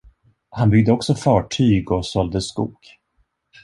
Han byggde också fartyg och sålde skog.